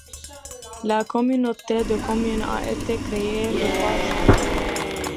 La communauté de communes a été créée le par Jean Denat.